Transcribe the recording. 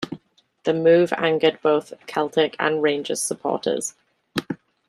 The move angered both Celtic and Rangers supporters.